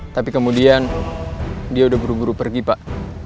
tapi kemudian dia udah buru buru pergi pak